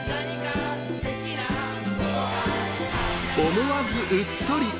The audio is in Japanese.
思わずうっとり！